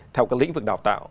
theo các lĩnh vực đào tạo